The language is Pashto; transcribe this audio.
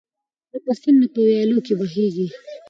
نه په سیند نه په ویالو کي به بهیږي